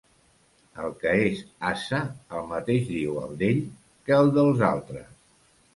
El que és ase, el mateix diu el d'ell que el dels altres.